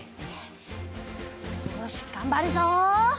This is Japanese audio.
よしがんばるぞ！